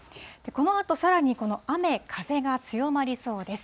このあと、さらにこの雨風が強まりそうです。